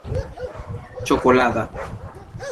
ĉokolada